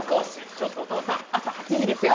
ちょっとお父さん、朝８時ですよ。